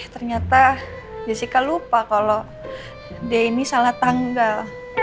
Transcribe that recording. ternyata jessica lupa kalau d ini salah tanggal